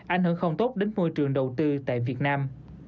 ảnh hưởng không tốt đến môi trường đầu tư tại việt nam